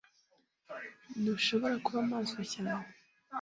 Ntuhobora kuba maso cyane